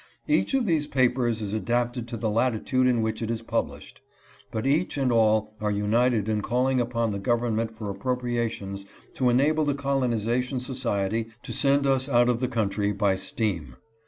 Each of these papers is adapted to the latitude in which it is published, but each and all are united in calling upon the government for appropriations to ena ble the Colonization Society to send us out of the country by steam.